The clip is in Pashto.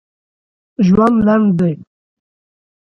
ژوند لنډ دی